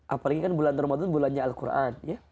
apalagi kan bulan ramadan bulannya al quran